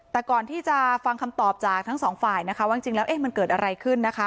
แต่ก่อนที่จะฟังคำตอบจากทั้งสองฝ่ายนะคะว่าจริงแล้วมันเกิดอะไรขึ้นนะคะ